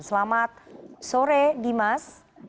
selamat sore dimas